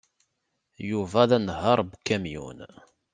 Yuba d anehhaṛ n ukamyun.